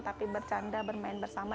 tapi bercanda bermain bersama